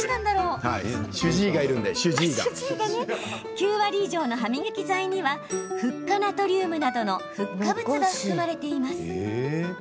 ９割以上の歯磨き剤にはフッ化ナトリウムなどのフッ化物が含まれています。